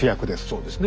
そうですね。